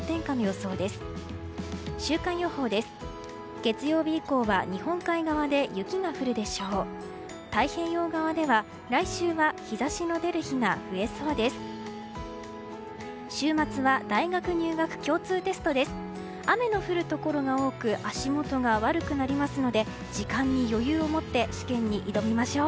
雨の降るところが多く足元が悪くなりますので時間に余裕を持って試験に挑みましょう。